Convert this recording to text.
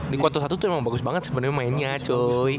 di quarter satu tuh emang bagus banget sebenernya mainnya cuy